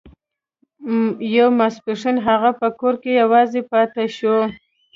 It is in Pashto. يو ماسپښين هغه په کور کې يوازې پاتې شو.